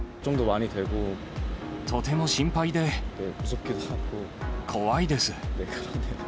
とても心配で怖いです。